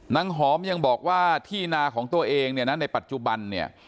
หอมยังบอกว่าที่นาของตัวเองเนี่ยนะในปัจจุบันเนี่ย